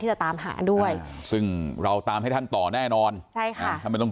จะตามหาด้วยซึ่งเราตามให้ท่านต่อแน่นอนใช่ค่ะท่านไม่ต้อง